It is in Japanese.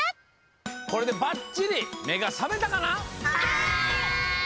これでばっちりめがさめたかな？